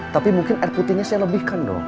tapi mungkin air putihnya saya lebihkan dong